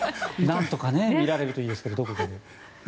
何とか見られるといいですけど。